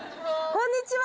こんにちは！